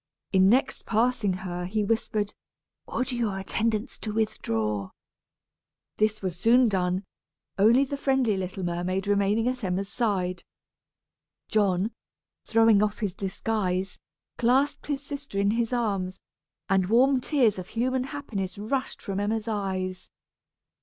In next passing her, he whispered, "Order your attendants to withdraw." This was soon done, only the friendly little mermaid remaining at Emma's side. John, throwing off his disguise, clasped his sister in his arms, and warm tears of human happiness rushed from Emma's eyes.